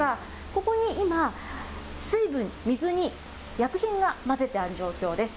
ここに今、水分、水に薬品が混ぜてある状況です。